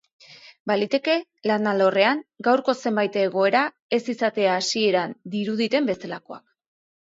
Baliteke lan alorrean, gaurko zenbait egoera ez izatea hasieran diruditen bezalakoak.